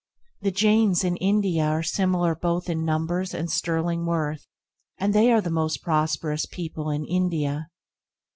The Jains in India are similar both in numbers and sterling worth, and they are the most prosperous people in India.